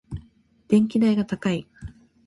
電気代が高い。